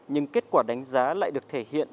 nhưng kết quả đánh giá lại được thể hiện